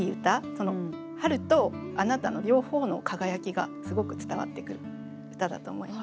「春」と「あなた」の両方の輝きがすごく伝わってくる歌だと思います。